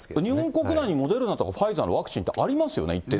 日本国内にモデルナとかファイザーのワクチンってありますよ